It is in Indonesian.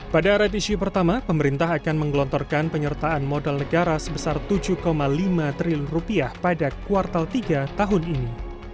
pada right issue pertama pemerintah akan menggelontorkan penyertaan modal negara sebesar tujuh lima triliun rupiah pada kuartal tiga tahun ini